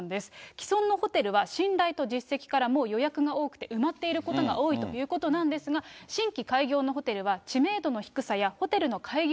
既存のホテルは、信頼と実績からもう予約が多くて、埋まっていることが多いということなんですが、新規開業のホテルは知名度の低さやホテルの開業